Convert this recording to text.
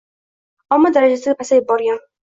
Omma darajasiga pasayib brogan.